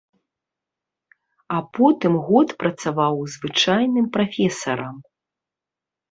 А потым год працаваў звычайным прафесарам.